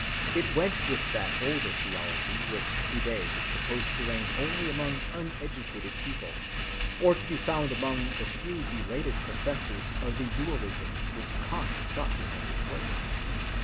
It went with that older theology which to‐day is supposed to reign only among uneducated people, or to be found among the few belated professors of the dualisms which Kant is thought to have displaced.